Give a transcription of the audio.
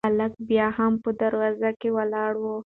هلک بیا هم په دروازه کې ولاړ و.